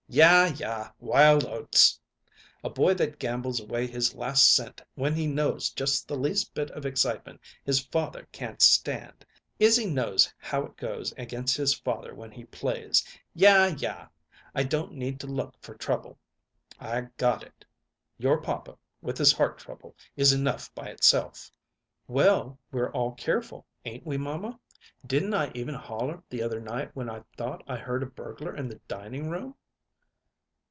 "Ya, ya! Wild oats! A boy that gambles away his last cent when he knows just the least bit of excitement his father can't stand! Izzy knows how it goes against his father when he plays. Ya, ya! I don't need to look for trouble; I got it. Your papa, with his heart trouble, is enough by itself." "Well, we're all careful, ain't we, mamma? Did I even holler the other night when I thought I heard a burglar in the dining room?"